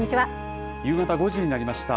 夕方５時になりました。